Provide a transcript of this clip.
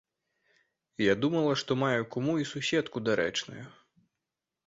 Я думала, што маю куму і суседку дарэчную.